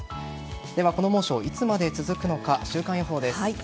では、この猛暑いつまで続くのか週間予報です。